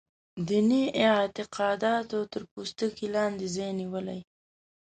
دیني اعتقاداتو تر پوستکي لاندې ځای نیولی.